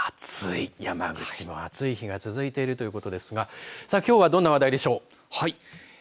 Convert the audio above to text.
山口も暑い日が続いているということですがきょうはどんな話題でしょう。